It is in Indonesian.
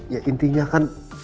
ya intinya kan